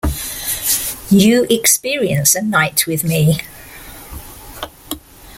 You experience a night with me.